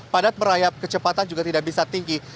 padat merayap kecepatan juga tidak bisa tinggi